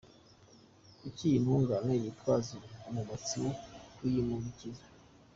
Kuki iyi ntungane yitwaza umumotsi wo kuyihumuriza?